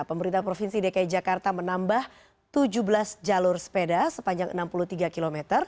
pemerintah provinsi dki jakarta menambah tujuh belas jalur sepeda sepanjang enam puluh tiga km